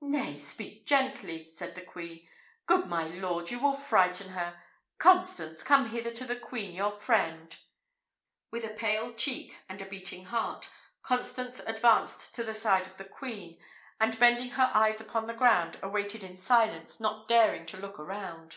"Nay, speak gently," said the queen. "Good my lord, you will frighten her. Constance, come hither to the queen, your friend!" With a pale cheek and a beating heart, Constance advanced to the side of the queen, and bending her eyes upon the ground, awaited in silence, not daring to look around.